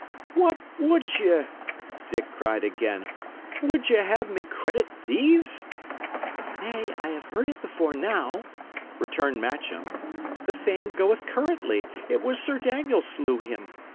"What would ye?" Dick cried again. "Would ye have me credit thieves?" "Nay, I have heard it before now," returned Matcham. "The fame goeth currently, it was Sir Daniel slew him.